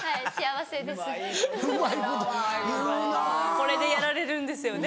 これでやられるんですよね